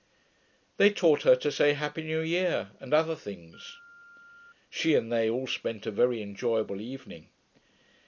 They taught her to say 'Happy new year' and other things. She and they all spent a very enjoyable evening.